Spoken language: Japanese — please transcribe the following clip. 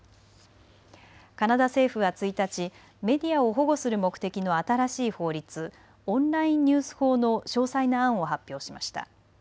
カナダ政府は１日、メディアを保護する目的の新しい法律、オンラインニュース法の詳細な案を発表しました。